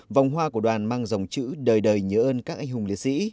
vòng hoa của đoàn mang dòng chữ đời đời nhớ ơn các anh hùng liệt sĩ